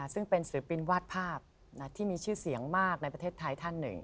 ซึ่งเป็นศิลปินวาดภาพที่มีชื่อเสียงมากในประเทศไทยท่านหนึ่ง